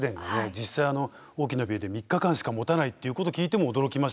実際あの大きな病院で３日間しかもたないっていうこと聞いても驚きましたけどね。